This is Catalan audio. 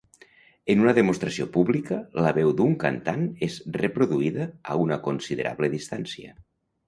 En una demostració pública, la veu d'un cantant és reproduïda a una considerable distància.